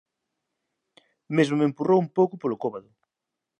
Mesmo me empurrou un pouco polo cóbado.